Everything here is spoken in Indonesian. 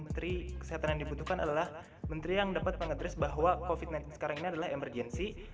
menteri kesehatan yang dibutuhkan adalah menteri yang dapat mengadres bahwa covid sembilan belas sekarang ini adalah emergensi